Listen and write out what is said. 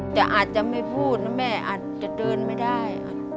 ว่าอาจจะไม่พูดอาจจะเดินไม่ได้